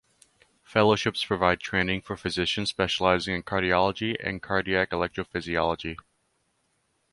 Fellowships provide training for physicians specializing in cardiology and cardiac electrophysiology.